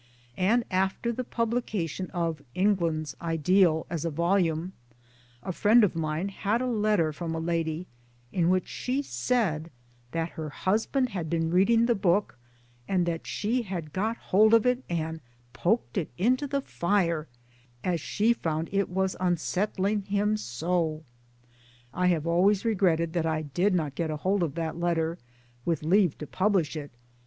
and after the publication of England's Ideal as a volume, a friend of mine had a letter from a lady, in which she said that her husband had been reading the book, and that she had got hold of it and " poked it into the fire, as she found it was unsettling him soi !" I have always regretted that I did not get hold of that letter, with leave to publish it.